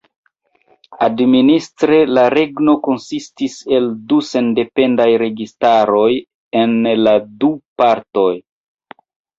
Administre la regno konsistis el du sendependaj registaroj en la du partoj.